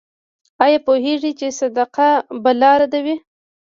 ایا پوهیږئ چې صدقه بلا ردوي؟